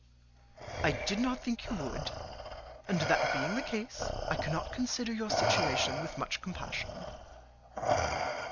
"I did not think you would; and that being the case, I cannot consider your situation with much compassion."